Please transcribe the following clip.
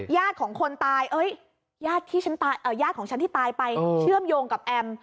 ของคนตายญาติของฉันที่ตายไปเชื่อมโยงกับแอม